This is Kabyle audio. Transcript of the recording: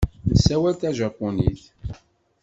Nessawal tajapunit.